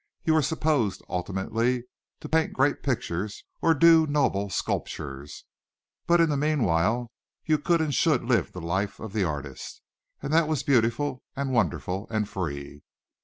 You were supposed ultimately to paint great pictures or do noble sculptures, but in the meanwhile you could and should live the life of the artist. And that was beautiful and wonderful and free.